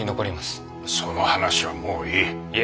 その話はもういい。